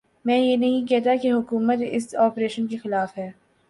میں یہ نہیں کہتا کہ حکومت اس آپریشن کے خلاف ہے۔